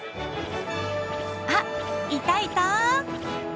あっいたいた！